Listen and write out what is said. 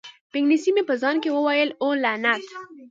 په انګلیسي مې په ځان کې وویل: اوه، لعنت!